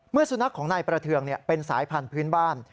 เมื่อสุนัขของนายประเทวงเป็นสายพันธ์พื้นบ้าน